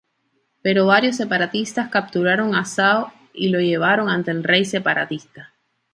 Pero varios separatistas capturaron a Saw y lo llevaron ante el rey separatista.